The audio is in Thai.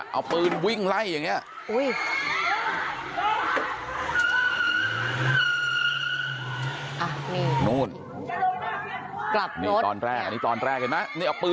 เอาปืนวิ่งไล่อย่างนี้